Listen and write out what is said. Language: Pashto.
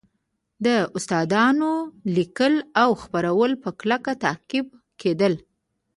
د داستانونو لیکل او خپرول په کلکه تعقیب کېدل